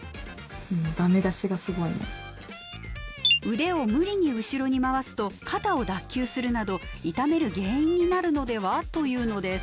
「腕を無理に後ろに回すと肩を脱臼するなど痛める原因になるのでは？」というのです。